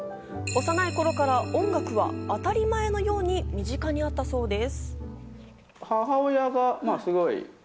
幼い頃から音楽は当たり前のように身近にあったそうです。